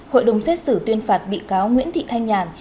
hội đồng xét xử tuyên phạt bị cáo nguyễn thị thanh nhàn